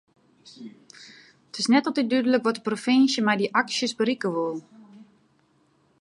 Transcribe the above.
It is net altyd dúdlik wat de provinsje met dy aksjes berikke wol.